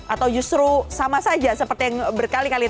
atau justru sama saja seperti yang berkali kali